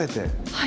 はい。